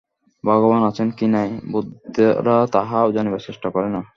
ভগবান আছেন কি নাই, বৌদ্ধেরা তাহা জানিবার চেষ্টা করে না।